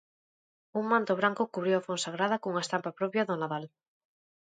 Un manto branco cubriu a Fonsagrada, cunha estampa propia do Nadal.